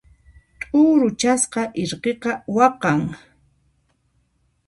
T'uruchasqa irqiqa waqan.